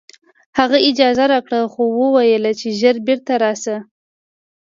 هغه اجازه راکړه خو وویل چې ژر بېرته راشه